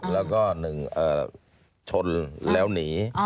แล้วก็หนึ่งชนแล้วหนี